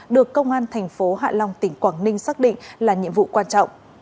được công an thành phố hạ long tỉnh quảng ninh xác định là nhiệm vụ quan trọng